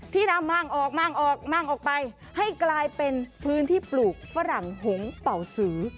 นำมั่งออกมางออกมั่งออกไปให้กลายเป็นพื้นที่ปลูกฝรั่งหงเป่าสือ